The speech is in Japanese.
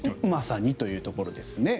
まさにというところです。